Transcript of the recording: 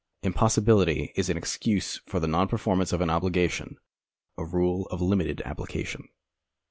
Impossibihty is an excuse for the non performance of an obligation — a rule of limited application.